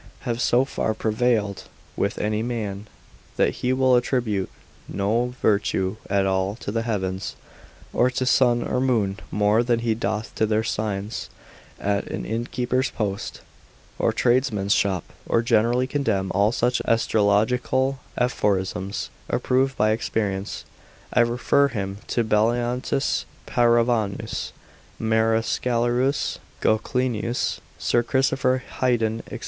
have so far prevailed with any man, that he will attribute no virtue at all to the heavens, or to sun, or moon, more than he doth to their signs at an innkeeper's post, or tradesman's shop, or generally condemn all such astrological aphorisms approved by experience: I refer him to Bellantius, Pirovanus, Marascallerus, Goclenius, Sir Christopher Heidon, &c.